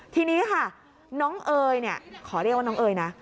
ทีนี้ค่ะน้องเอ๋ยขอเรียกว่าน้องเอยนะ